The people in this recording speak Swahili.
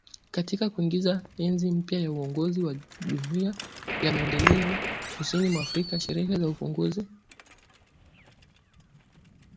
Katika kuingiza enzi mpya ya uongozi wa Jumuiya ya Maendeleo Kusini mwa Afrika sherehe za ufunguzi